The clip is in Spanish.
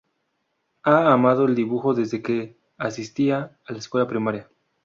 Ha amado el dibujo desde que asistía a la escuela primaria.